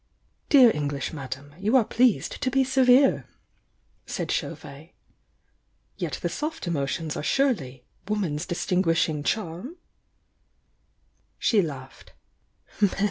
"Dear English madame, you are pleased to be se vere!" said Chauvet. "Yet the soft emotions are surely 'woman's distinguishing charm'?" She laughed.